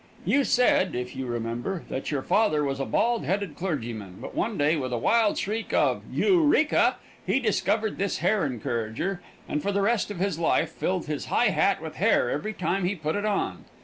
You said, if you remember, that your father was a bald headed clergyman, but one day, with a wild shriek of "Eureka!" he discovered this hair encourager, and for the rest of his life filled his high hat with hair every time he put it on.